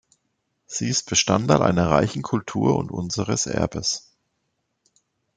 Sie ist Bestandteil einer reichen Kultur und unseres Erbes.